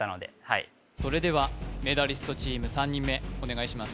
いそれではメダリストチーム３人目お願いします